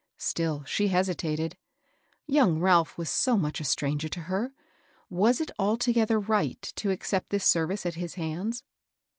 Still she hesitated. Young Ralph was so much a stranger to her. Was it altogether right to accept this service at his hands